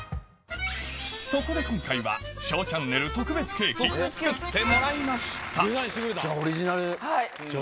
そこで今回はＳＨＯＷチャンネル特別ケーキ作ってもらいましたじゃ